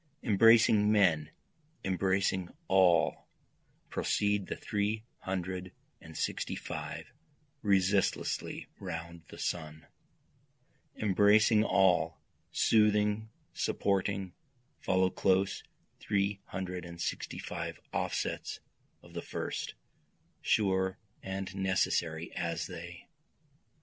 Embracing man, embracing all, proceed the three hundred and sixty five resistlessly round the sun; Embracing all, soothing, supporting, follow close three hundred and sixty five offsets of the first, sure and necessary as they.